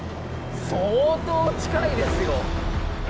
相当近いですよ。